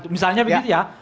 misalnya begitu ya